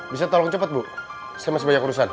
bisa tolong cepat bu saya masih banyak urusan